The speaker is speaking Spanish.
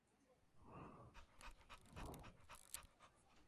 Wilhelm Wien estudió la curva obtenida experimentalmente.